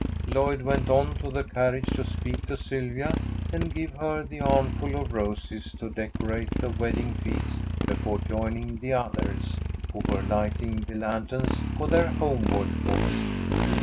Lloyd went on to the carriage to speak to Sylvia and give her the armful of roses to decorate the wedding feast, before joining the others, who were lighting the lanterns for their homeward walk.